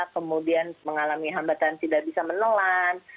kemudian mengalami hambatan tidak bisa menelan